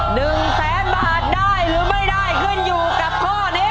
หนึ่งแสนบาทได้หรือไม่ได้ขึ้นอยู่กับข้อนี้